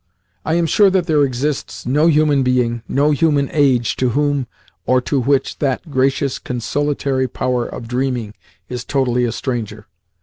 I am sure that there exists no human being, no human age, to whom or to which that gracious, consolatory power of dreaming is totally a stranger.